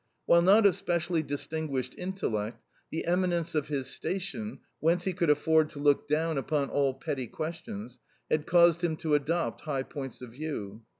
While not of specially distinguished intellect, the eminence of his station (whence he could afford to look down upon all petty questions) had caused him to adopt high points of view.